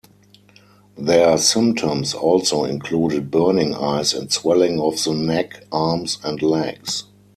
Their symptoms also included burning eyes and swelling of the neck, arms, and legs.